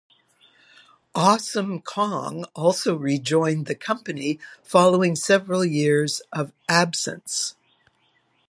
Awesome Kong also re-joined the company following several years of absence.